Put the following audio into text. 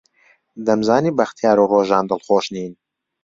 دەمزانی بەختیار و ڕۆژان دڵخۆش نین.